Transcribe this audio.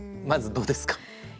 まずどうですか？